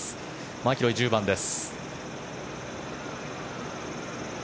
マキロイ、１０番です。